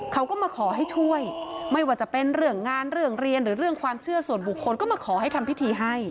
เขาก็มาขอให้ช่วยไม่ว่าจะเป็นเรื่องงานเรื่องเรียนหรือเรื่องความเชื่อส่วนบุคคลก็มาขอให้ทำพิธีให้